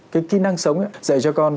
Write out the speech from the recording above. cái kỹ năng sống dạy cho con